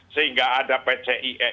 sehingga ada pci